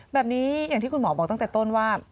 แบบนี้อย่างที่คุณหมอบอกตั้งแต่ต้นว่า